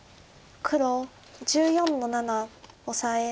黒１４の七オサエ。